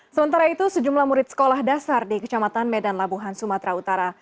sementara itu sejumlah murid sekolah dasar di kecamatan medan labuhan sumatera utara